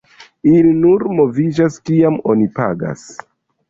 Ili nur moviĝas kiam oni pagas.